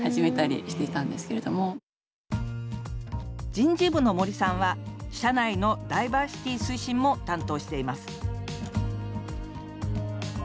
人事部の森さんは社内のダイバーシティ推進も担当しています。